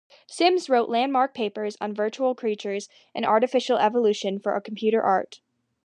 Sims wrote landmark papers on virtual creatures and artificial evolution for computer art.